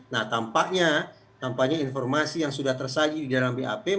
nah tampaknya tampaknya informasi yang sudah tersayi di dalam bap masih perlu diperkut